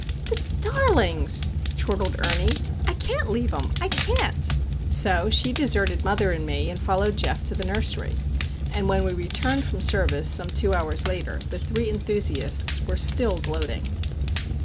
"The darlings!" chortled Ernie. "I can't leave 'em! I can't!" So she deserted mother and me, and followed Geof to the nursery. And when we returned from service some two hours later, the three enthusiasts were still gloating.